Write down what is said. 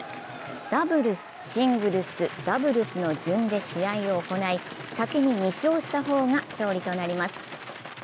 ダブルス、シングルス、ダブルスの順で試合を行い、先に２勝した方が勝利となります。